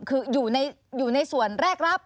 คืออยู่ในส่วนแรกรับ